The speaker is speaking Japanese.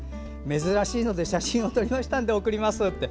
珍しいので写真を撮りましたので送りますって。